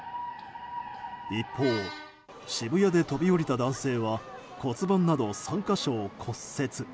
一方、渋谷で飛び降りた男性は骨盤など３か所を骨折。